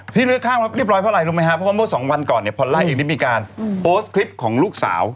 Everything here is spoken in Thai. เลือดข้างเรียบร้อยเพราะอะไรรู้ไหมครับเพราะว่าเมื่อสองวันก่อนเนี่ยพอลล่าเองได้มีการโพสต์คลิปของลูกสาว